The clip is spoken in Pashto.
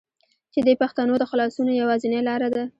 چې دې پښتنو د خلاصونو يوازينۍ لاره